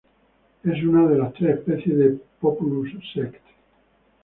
Es una de las tres especies de "Populus sect.